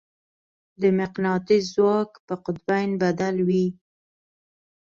د مقناطیس ځواک په قطبین بدل وي.